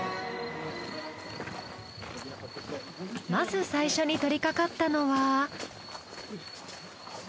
まず最初に取り掛かったのは。